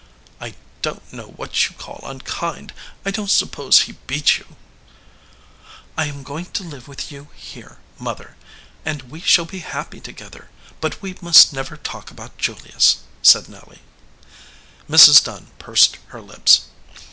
"I don t know what you call unkind; I don t suppose he beat you." 210 SOUR SWEETINGS "I am going to live with you here, mother, and we shall be happy together, but we must never talk about Julius," said Nelly. Mrs. Dunn pursed her lips.